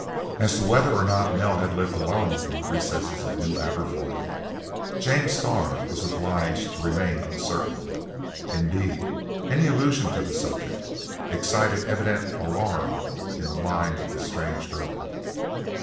As to whether or not Nell had lived alone in the recesses of New Aberfoyle, James Starr was obliged to remain uncertain; indeed, any allusion to the subject excited evident alarm in the mind of this strange girl.